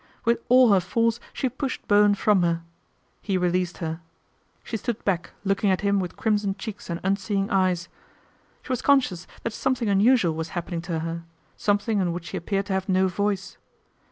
With all her force she pushed Bowen from her. He released her. She stood back looking at him with crimson cheeks and unseeing eyes. She was conscious that something unusual was happening to her, something in which she appeared to have no voice.